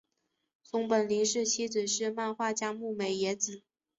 松本零士妻子是漫画家牧美也子。